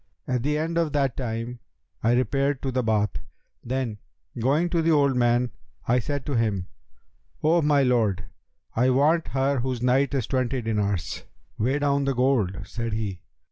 At the end of that time, I repaired to the Bath; then, going to the old man, I said to him, 'O my lord, I want her whose night is twenty dinars.' 'Weigh down the gold,' said he.